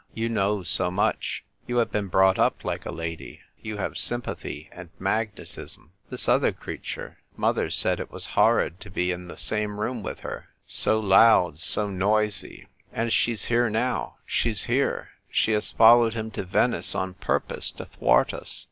You know so much ; you have been brought up like a lady; you have sympathy and magnetism. Tliis other crea ture — mother said it was horrid to be in the some room with her. So loud, so noisy ! And she's here now, she's here ; she has fol lowed him to Venice on purpose to thwart us.